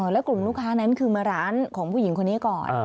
แล้วกลุ่มลูกค้านั้นคือมาร้านของผู้หญิงคนนี้ก่อน